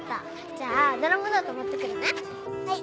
じゃあドラマノート持ってくるね。